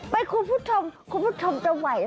ไปคุณผู้ชมคุณผู้ชมจะไหวไหมค่ะ